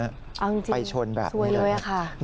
อ้าวจริงจริงสวยเลยอะค่ะไปชนแบบนี้เลยนะฮะ